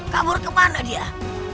kabur kemana dia